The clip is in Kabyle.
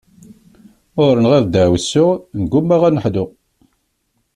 Ur nɣiḍ deɛwessu, negumma ad neḥlu.